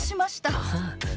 ああ。